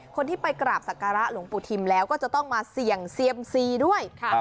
คนที่ไปกราบสักการะหลวงปู่ทิมแล้วก็จะต้องมาเสี่ยงเซียมซีด้วย